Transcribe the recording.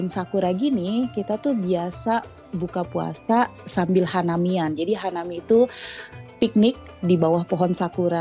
sambil di bawah pohon sakura